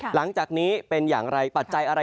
หลังจากนี้เป็นอย่างไรปัจจัยอะไร